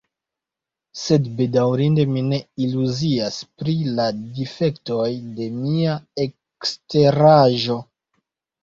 Sed bedaŭrinde mi ne iluzias pri la difektoj de mia eksteraĵo.